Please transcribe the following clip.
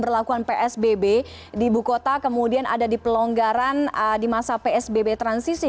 lakukan psbb di bukota kemudian ada di pelonggaran di masa psbb transisi